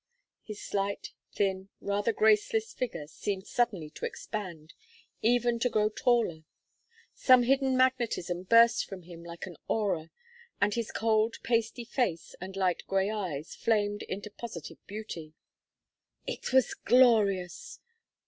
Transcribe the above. His slight, thin, rather graceless figure seemed suddenly to expand, even to grow taller. Some hidden magnetism burst from him like an aura, and his cold pasty face and light gray eyes flamed into positive beauty. "It was glorious!